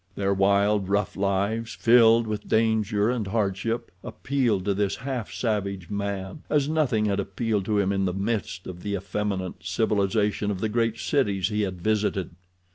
Their wild, rough lives, filled with danger and hardship, appealed to this half savage man as nothing had appealed to him in the midst of the effeminate civilization of the great cities he had visited.